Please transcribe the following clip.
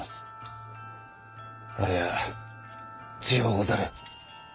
ありゃあ強うござる。